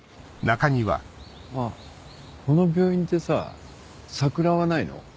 あっこの病院ってさ桜はないの？